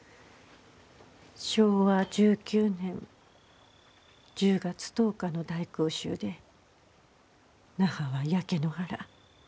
昭和１９年１０月１０日の大空襲で那覇は焼け野原